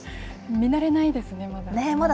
見慣れないですね、まだ。